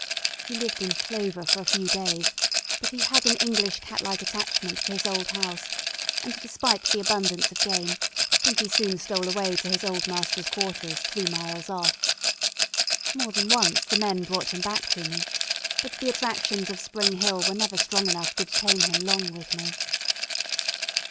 He lived in clover for a few days, but he had an English cat like attachment for his old house, and despite the abundance of game, Pinkie soon stole away to his old master's quarters, three miles off. More than once the men brought him back to me, but the attractions of Spring Hill were never strong enough to detain him long with me.